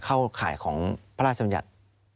เข้าข่ายของพระราชมัญญัติ